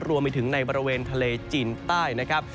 รวมไปถึงในบริเวณทะเลจีนใต้นะครับ